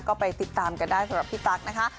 ก็ไปติดตามกันได้สำหรับพี่ตั๊กนะคะ